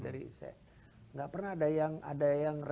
tidak pernah ada yang